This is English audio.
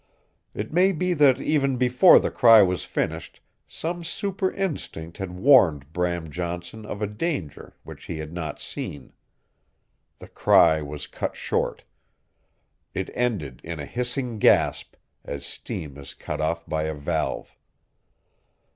It may be that even before the cry was finished some super instinct had warned Bram Johnson of a danger which he had not seen. The cry was cut short. It ended in a hissing gasp, as steam is cut off by a valve.